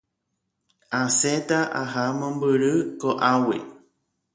Asẽta aha mombyry ko'águi.